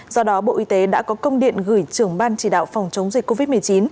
do đó bộ y tế đã có công điện gửi trưởng ban chỉ đạo phòng chống dịch covid một mươi chín